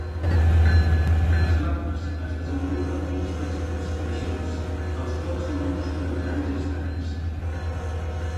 Les larves es desenvolupen dins dels fruits creixents, els quals no mostren danys externs.